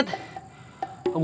aku cariin dari pagi